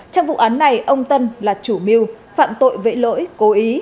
trong vụ án này ông tân là chủ mưu phạm tội vệ lỗi cố ý